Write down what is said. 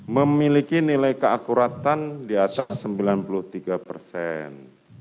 memiliki nilai keakuratan di atas sembilan puluh tiga persen